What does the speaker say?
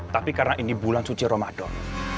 tapi karena ini bulan suci ramadan